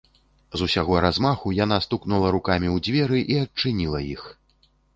З усяго размаху яна стукнула рукамі ў дзверы і адчыніла іх.